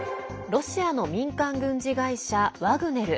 ロシアの民間軍事会社ワグネル。